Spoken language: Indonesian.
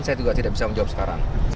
saya juga tidak bisa menjawab sekarang